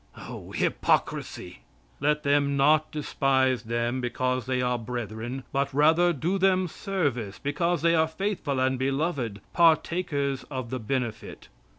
O, hypocrisy! "Let them not despise them because they are brethren, but rather do them service because they are faithful and beloved, partakers of the benefit."